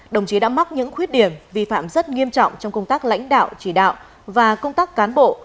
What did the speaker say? đồng chí đã mắc những khuyết điểm vi phạm rất nghiêm trọng trong công tác lãnh đạo chỉ đạo và công tác cán bộ